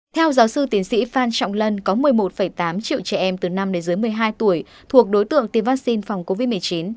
theo giáo sư tiến sĩ phan trọng lân có một mươi một tám triệu trẻ em từ năm đến dưới một mươi hai tuổi thuộc đối tượng tiêm vaccine phòng covid một mươi chín